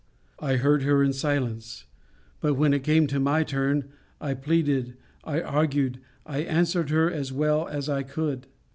I heard her in silence. But when it came to my turn, I pleaded, I argued, I answered her, as well as I could.